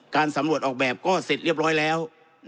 สำรวจออกแบบก็เสร็จเรียบร้อยแล้ว